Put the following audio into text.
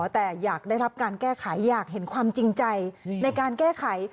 แต่อยากได้รับการแก้ไขอยากเห็นความจริงใจในการแก้ไข